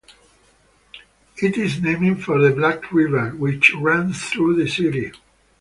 It is named for the Black River which runs through the city.